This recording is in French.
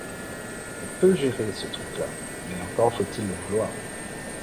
On peut gérer ce truc là, mais encore faut-il le vouloir.